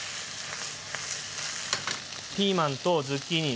ピーマンとズッキーニ。